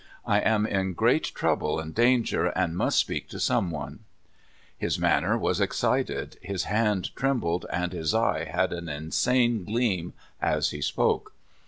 I am in great trouble and danger, and must speak to some one ! His manner was excited, his hand trembled, and his eye had an insane gleam as he spoke.